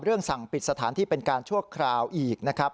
สั่งปิดสถานที่เป็นการชั่วคราวอีกนะครับ